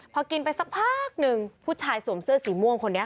พอกินไปสักพักหนึ่งผู้ชายสวมเสื้อสีม่วงคนนี้